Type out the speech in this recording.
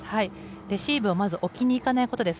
レシーブを置きにいかないことです。